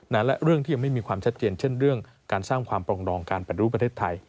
และเรื่องที่ยังไม่มีความชัดเจนเช่นเรื่องการสร้างความปรองดองการปฏิรูปประเทศไทย